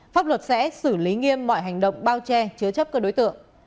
pháp luật sẽ xử lý nghiêm mọi hành động bao che chứa chấp các đối tượng